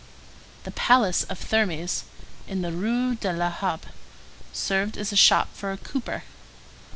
The palace of Thermes, in the Rue de La Harpe, served as a shop for a cooper.